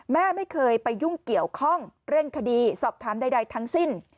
แม่ไม่เคยไปยุ่งเกี่ยวข้องเร่งคดีสอบถามใดทั้งสิ้น